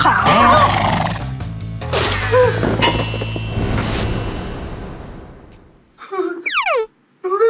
พี่ถึกจ้าเป็นของซายฝนนะเจ้าพี่